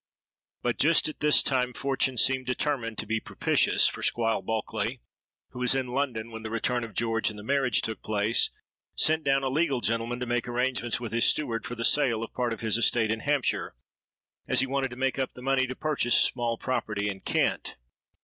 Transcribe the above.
But just at this time fortune seemed determined to be propitious; for Squire Bulkeley, who was in London when the return of George and the marriage took place, sent down a legal gentleman to make arrangements with his steward for the sale of a part of his estate in Hampshire, as he wanted to make up the money to purchase a small property in Kent.